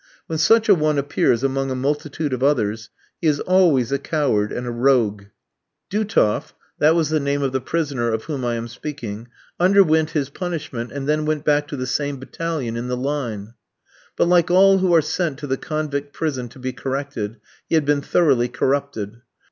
When such a one appears among a multitude of others, he is always a coward and a rogue. Dutoff that was the name of the prisoner of whom I am speaking underwent his punishment, and then went back to the same battalion in the Line; but, like all who are sent to the convict prison to be corrected, he had been thoroughly corrupted.